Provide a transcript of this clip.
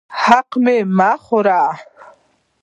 حق مه خورئ